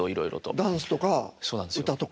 ダンスとか歌とか。